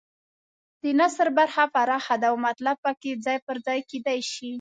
د نثر برخه پراخه ده او مطلب پکې ځای پر ځای کېدای شي.